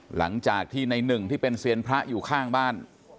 หลังจากที่ในหนึ่งที่เป็นเซียนพระอยู่ข้างบ้าน